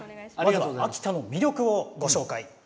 秋田の魅力をご紹介。